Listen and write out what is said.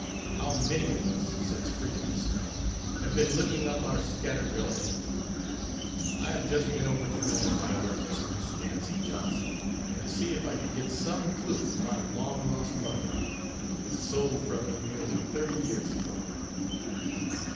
How many of us, since freedom has come, have been looking up our scattered relatives. I have just been over to visit my old mistress, Nancy Johnson, and to see if I could get some clue to my long lost mother, who was sold from me nearly thirty years ago."